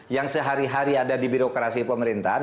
yang sehari hari ada di birokrasi pemerintahan